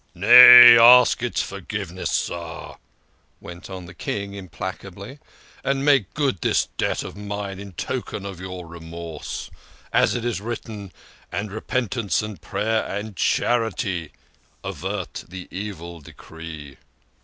" Nay, ask its forgiveness, sir," went on the King implac ably ;" and make good this debt of mine in token of your remorse, as it is written, ' And repentance, and prayer, and charity avert the evil decree.'